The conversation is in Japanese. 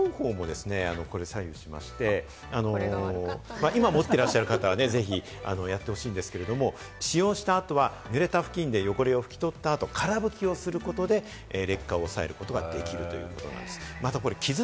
保管方法もですね、左右しまして、今、持ってらっしゃる方はぜひやってほしいんですけれども、使用した後は、濡れたフキンで汚れを拭き取った後、から拭きをすることで、劣化を抑えることができるということなんです。